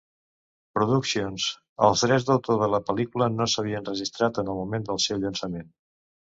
Productions, els drets d'autor de la pel·lícula no s'havien registrat en el moment del seu llançament.